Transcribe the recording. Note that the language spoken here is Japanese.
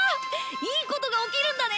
いいことが起きるんだね！